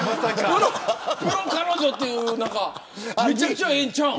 プロ彼女とかめちゃくちゃええんちゃうん。